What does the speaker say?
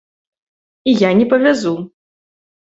І я не павязу.